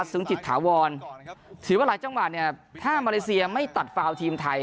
จิตถาวรถือว่าหลายจังหวัดเนี่ยถ้ามาเลเซียไม่ตัดฟาวทีมไทย